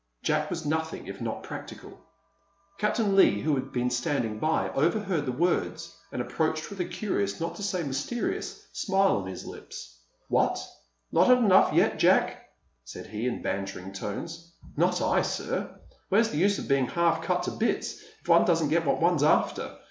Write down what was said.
Jack was nothing if not practical. Captain Leigh, who was standing by, overheard the words, and approached with a curious, not to say mysterious, smile on his lips. "What! not had enough of it yet, Jack?" said he, in bantering tones. "Not I, sir! Where's the use of being half cut to bits if one doesn't get what one's after?